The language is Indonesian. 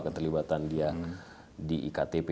keterlibatan dia di iktp